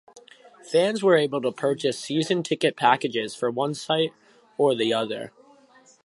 Fans were able to purchase season ticket packages for one site or the other.